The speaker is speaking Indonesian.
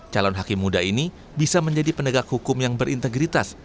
calon hakim muda ini bisa menjadi penegak hukum yang berintegritas